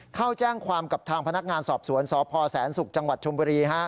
เข้าแจ้งความกับทางพนักงานสอบสวนสพแสนศุกร์จังหวัดชมบุรี